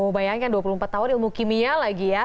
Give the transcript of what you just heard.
mau bayangkan dua puluh empat tahun ilmu kimia lagi ya